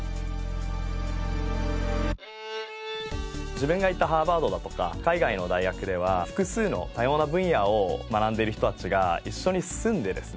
自分が行ったハーバードだとか海外の大学では複数の多様な分野を学んでいる人たちが一緒に住んでですね